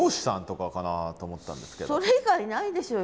それ以外ないでしょうよ